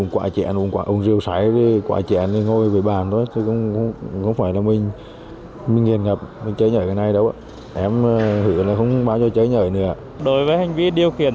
qua kiểm tra bằng que tét nhanh má túy trong nước tiểu